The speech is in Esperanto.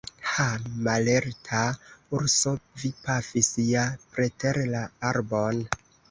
Ha, mallerta urso, vi pafis ja preter la arbon!